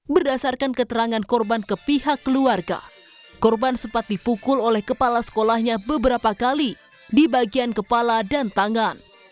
berdasarkan keterangan korban ke pihak keluarga korban sempat dipukul oleh kepala sekolahnya beberapa kali di bagian kepala dan tangan